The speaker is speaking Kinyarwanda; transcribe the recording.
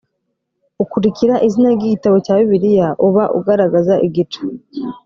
ukurikira izina ry igitabo cya bibiliya uba ugaragaza igice